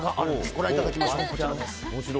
ご覧いただきましょう。